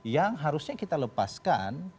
yang harusnya kita lepaskan